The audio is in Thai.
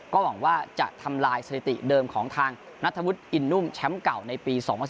ก็หวังว่าจะทำลายสถิติเดิมของทางนัทธวุฒิอินนุ่มแชมป์เก่าในปี๒๐๑